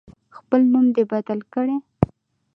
خپل نوم دی بدل کړي.